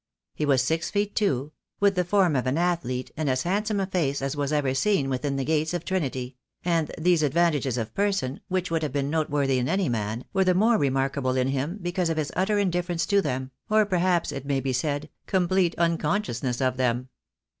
He was six feet two — with the form of an athlete and as handsome a face as was ever seen within the gates of Trinity — and these advantages of person, which would have been noteworthy in any man, were the more remark able in him, because of his utter indifference to them, or, perhaps, it maybe said, complete unconsciousness of them.